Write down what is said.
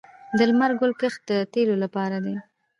د لمر ګل کښت د تیلو لپاره دی